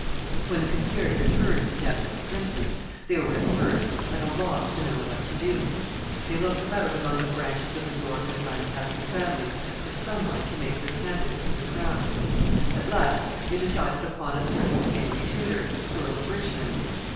When the conspirators heard of the death of the princes, they were at first at a loss to know what to do. They looked about among the branches of the York and Lancaster families for some one to make their candidate for the crown. At last they decided upon a certain Henry Tudor, Earl of Richmond.